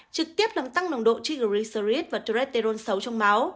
trực tiếp làm tăng nồng độ triglycerides và tretirin xấu trong máu